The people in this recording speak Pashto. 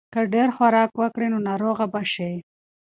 که ډېر خوراک وکړې نو ناروغه به شې.